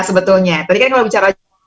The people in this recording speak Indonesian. sebetulnya tadi kan kalau bicara